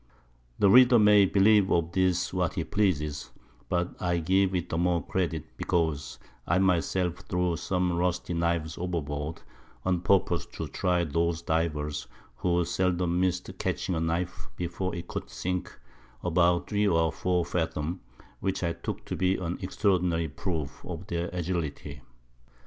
The Reader may believe of this what he pleases, but I give it the more credit, because I my self threw some rusty Knives overboard, on purpose to try those Divers, who seldom miss'd catching a Knife before it could sink about 3 or 4 Fathom, which I took to be an extraordinary Proof of their Agility.